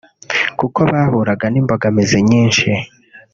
kuko bahuraga n’imbogamizi nyishi